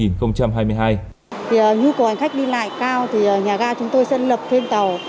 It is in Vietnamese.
khi nhu cầu hành khách đi lại cao thì nhà ga chúng tôi sẽ lập thêm tàu